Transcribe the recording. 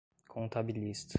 contabilista